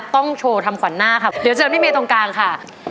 ต้องโชว์ทำขวัญหน้าครับเดี๋ยวเจอพี่เมย์ตรงกลางค่ะ